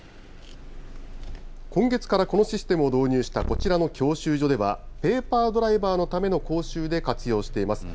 今月からこのシステムを導入したこちらの教習所では、ペーパードライバーのための講習で活用しています。